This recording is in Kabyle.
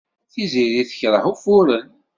Tiziri tekṛeh ufuren.